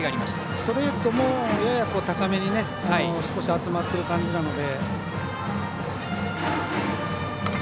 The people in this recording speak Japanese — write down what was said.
ストレートもやや高めに少し集まっている感じなので。